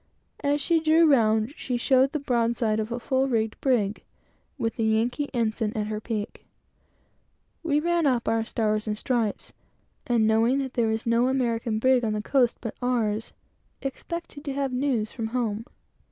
As she drew round, she showed the broadside of a full rigged brig, with the Yankee ensign at her peak. We ran up our stars and stripes, and, knowing that there was no American brig on the coast but ourselves, expected to have news from home.